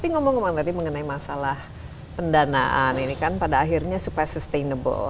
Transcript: tapi ngomong ngomong tadi mengenai masalah pendanaan ini kan pada akhirnya supaya sustainable